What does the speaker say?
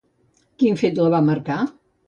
Quin fet la va marcar?